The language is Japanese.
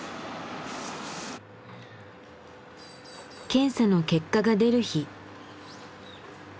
検査の結果が出る日。